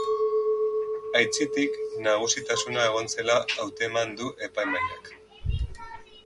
Aitzitik, nagusitasuna egon zela hauteman du epaimahaiak.